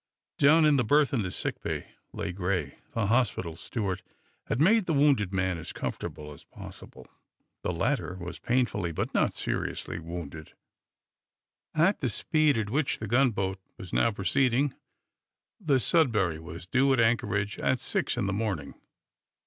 Down in a berth in the sick bay, lay Gray. The hospital steward had made the wounded man as comfortable as possible. The latter was painfully but not seriously wounded. At the speed at which the gunboat was now proceeding the "Sudbury" was due at anchorage at six in the morning.